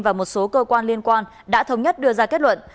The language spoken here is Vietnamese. và một số cơ quan liên quan đã thống nhất đưa ra kết luận